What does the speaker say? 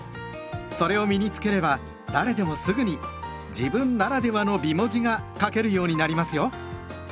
それを身に付ければ誰でもすぐに「自分ならではの美文字」が書けるようになりますよ。